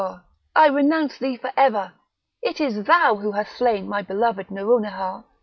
I renounce thee for ever! it is thou who hast slain my beloved Nouronihar!